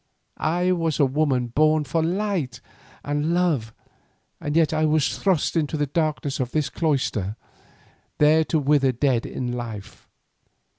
I was a woman born for light and love, and yet I was thrust into the darkness of this cloister, there to wither dead in life.